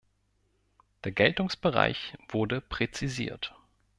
Der Geltungsbereich wurde präzisiert.